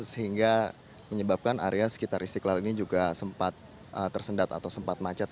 sehingga menyebabkan area sekitar istiqlal ini juga sempat tersendat atau sempat macet